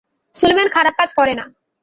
সুলেমান খারাপ কাজ করে না।